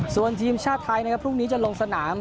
ส่วนทีมชาติไทยนะครับพรุ่งนี้จะลงสนาม